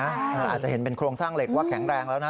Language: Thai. อาจจะเห็นเป็นโครงสร้างเหล็กว่าแข็งแรงแล้วนะ